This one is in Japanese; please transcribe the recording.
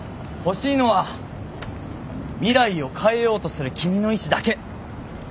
欲しいのは未来を変えようとする君の意志だけ。